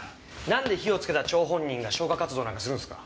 なんで火をつけた張本人が消火活動なんかするんですか？